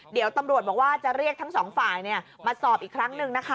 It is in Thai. เดี๋ยวตำรวจบอกว่าจะเรียกทั้งสองฝ่ายมาสอบอีกครั้งหนึ่งนะคะ